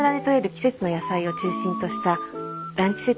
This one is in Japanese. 季節の野菜を中心としたランチセットになります。